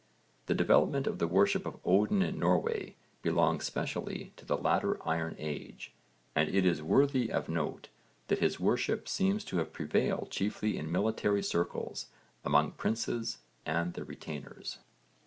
The development of the worship of Odin in Norway belongs specially to the later Iron Age, and it is worthy of note that his worship seems to have prevailed chiefly in military circles, among princes and their retainers.